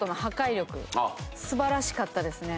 素晴らしかったですね。